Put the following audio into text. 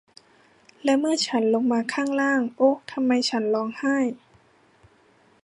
และเมื่อฉันลงมาข้างล่าง โอ๊ะ ทำไมฉันร้องไห้